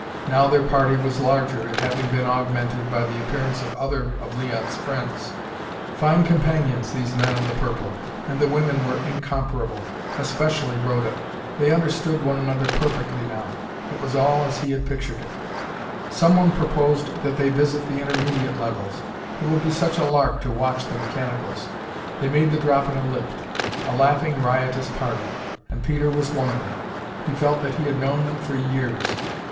Now their party was larger, it having been augmented by the appearance of other of Leon's friends. Fine companions, these men of the purple, and the women were incomparable. Especially Rhoda. They understood one another perfectly now. It was all as he had pictured it. Someone proposed that they visit the intermediate levels. It would be such a lark to watch the mechanicals. They made the drop in a lift. A laughing, riotous party. And Peter was one of them! He felt that he had known them for years.